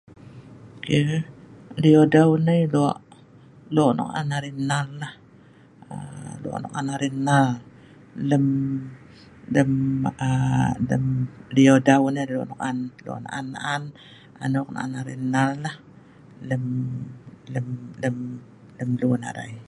Lou deu nai lok nok an arai nal.lok nok an nal lem lun arai